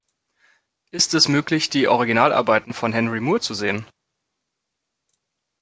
Ist es möglich, die Originalarbeiten von Henry Moore zu sehen?